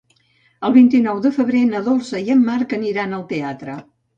El vint-i-nou de febrer na Dolça i en Marc aniran al teatre.